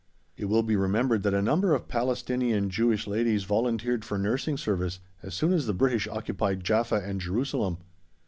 It will be remembered that a number of Palestinian Jewish ladies volunteered for Nursing Service as soon as the British occupied Jaffa and Jerusalem.